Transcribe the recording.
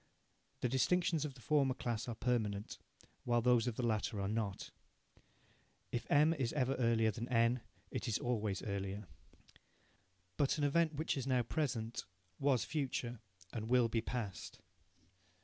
The distinctions of the former class are permanent, while those of the latter are not. If M is ever earlier than N, it is always earlier. But an event, which is now present, was future and will be past.